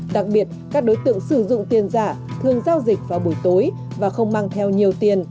đặc biệt các đối tượng sử dụng tiền giả thường giao dịch vào buổi tối và không mang theo nhiều tiền